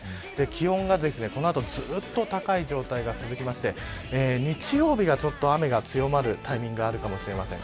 気温がこの後、ずっと高い状態が続きまして日曜日がちょっと雨が強まるタイミングがあるかもしれません。